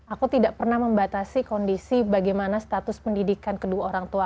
aku tidak pernah membatasi kondisi bagaimana status pendidikan kedua orang tua